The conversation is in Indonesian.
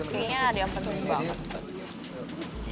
kayaknya dia percaya banget